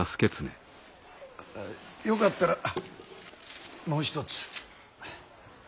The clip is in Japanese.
よかったらもう一つ。